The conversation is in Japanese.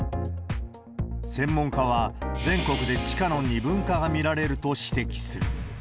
専門家は、全国で地価の二分化が見られると指摘する。